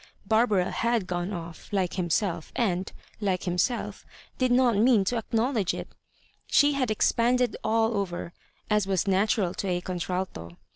'' Barbara ?iad gone off, like himself, and, like himself, did not mean to acknowledge it She had expanded all over, as was natural to a contralto.